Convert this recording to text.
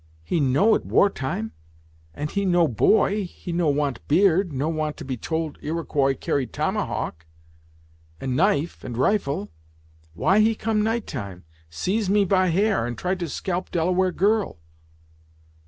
"He know it war time, and he no boy he no want beard no want to be told Iroquois carry tomahawk, and knife, and rifle. Why he come night time, seize me by hair, and try to scalp Delaware girl?"